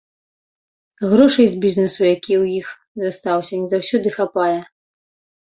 Грошай з бізнэсу, які ў іх застаўся, не заўсёды хапае.